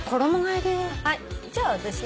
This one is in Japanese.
じゃあ私。